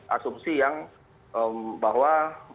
asumsi yang bahwa